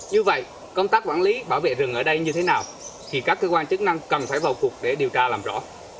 như vậy công tác quản lý bảo vệ rừng ở đây như thế nào thì các cơ quan chức năng cần phải vào cuộc để điều tra làm rõ